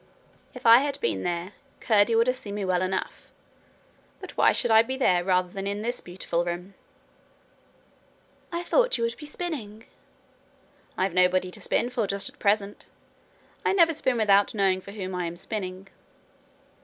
'If I had been there, Curdie would have seen me well enough. But why should I be there rather than in this beautiful room?' 'I thought you would be spinning.' 'I've nobody to spin for just at present. I never spin without knowing for whom I am spinning.'